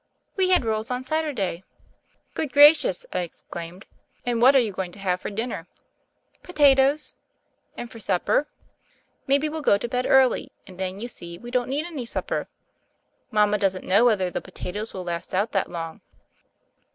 "We had rolls on Saturday." "Good gracious 1" I exclaimed. "And what are you going to have for dinner?" "Potatoes." "And for supper?" "Maybe we'll go to bed early, and then, you see, we don't need any supper. Mama doesn't know whether the potatoes will last out that long."